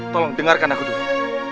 tolong dengarkan aku dulu